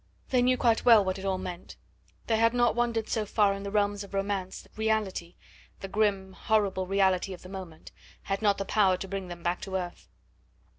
They knew quite well what it all meant; they had not wandered so far in the realms of romance that reality the grim, horrible reality of the moment had not the power to bring them back to earth.